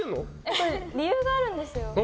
これ理由があるんですよ。